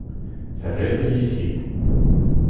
Terriḍ-iyi-t-id.